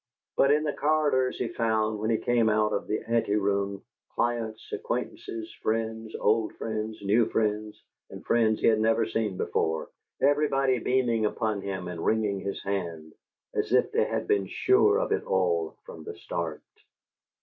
But in the corridors he found, when he came out of the anteroom, clients, acquaintances, friends: old friends, new friends, and friends he had never seen before everybody beaming upon him and wringing his hand, as if they had been sure of it all from the start.